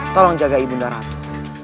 tolong jaga ibu nda ratu